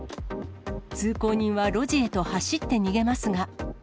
通行人は路地へと走って逃げますが。